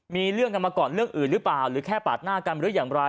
มีเรื่องกันมาก่อนเรื่องอื่นหรือเปล่าหรือแค่ปาดหน้ากันหรืออย่างไร